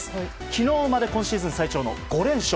昨日まで今シーズン最長の５連勝。